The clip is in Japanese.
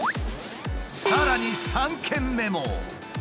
さらに３軒目も。